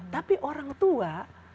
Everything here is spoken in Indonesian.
tapi orang tua